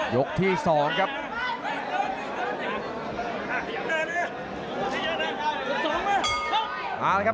ยกที่สองครับ